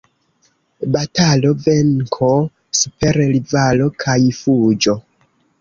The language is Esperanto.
Batalo, venko super rivalo kaj fuĝo.